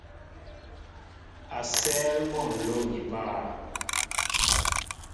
A sέέl mɔ nló ni páá.